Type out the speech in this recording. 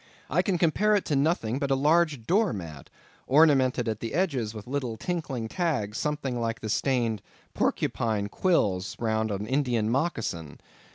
I can compare it to nothing but a large door mat, ornamented at the edges with little tinkling tags something like the stained porcupine quills round an Indian moccasin.